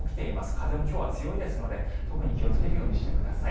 風も今日は強いですので特に気をつけるようにしてください。